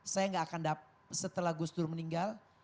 saya nggak akan setelah gus dur meninggal